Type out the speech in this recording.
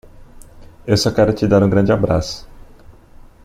Eu só quero te dar um grande abraço!